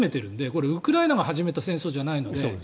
これ、ウクライナが始めた戦争ではないので。